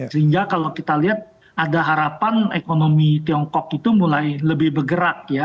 sehingga kalau kita lihat ada harapan ekonomi tiongkok itu mulai lebih bergerak ya